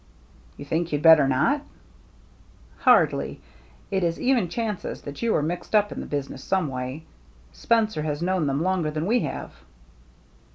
" You think you'd better not ?"" Hardly. It is even chances that they are mixed up in the business some way. Spencer has known them longer than we have."